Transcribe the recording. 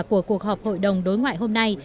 của cuộc họp hội đồng đối ngoại hôm nay